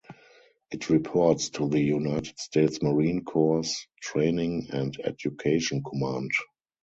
It reports to the United States Marine Corps Training And Education Command.